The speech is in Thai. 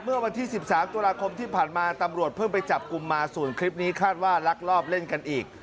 เมื่อวันที่๑๓ตุลาคมที่ผ่านมาตำรวจเพิ่งไปจับกลุ่มมาส่วนคลิปนี้คาดว่าลักลอบเล่นกันอีก